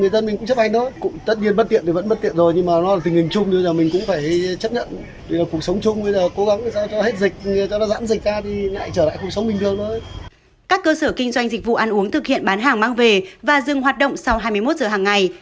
các cơ sở kinh doanh dịch vụ ăn uống thực hiện bán hàng mang về và dừng hoạt động sau hai mươi một giờ hàng ngày